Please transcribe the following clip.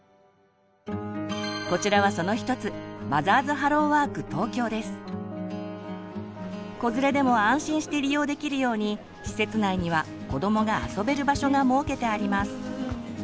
こちらはその一つ子連れでも安心して利用できるように施設内には子どもが遊べる場所が設けてあります。